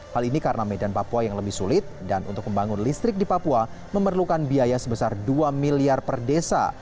hal ini karena medan papua yang lebih sulit dan untuk membangun listrik di papua memerlukan biaya sebesar dua miliar per desa